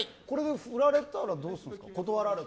これでフラれたらどうするんですか？